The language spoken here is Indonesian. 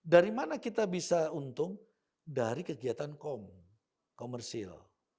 dari mana kita bisa untung dari kegiatan komersil